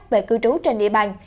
về cư trú trên địa bàn